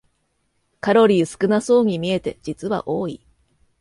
カロリー少なそうに見えて実は多い